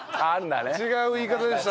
違う言い方でした。